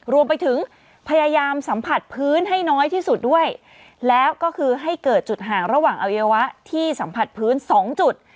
รวมไปถึงพยายามสัมผัสพื้นให้น้อยที่สุดด้วยแล้วก็คือให้เกิดจุดห่างระหว่างอวัยวะที่สัมผัสพื้นสองจุด